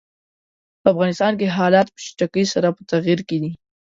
په افغانستان کې حالات په چټکۍ سره په تغییر کې دي.